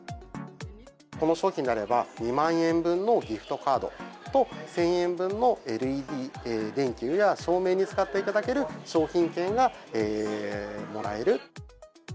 この商品であれば、２万円分のギフトカードと、１０００円分のＬＥＤ電球や照明に使っていただける商品券がもらえる。